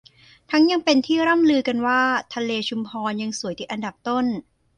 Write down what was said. ทั้งยังเป็นที่ร่ำลือกันว่าทะเลชุมพรยังสวยติดอันดับต้น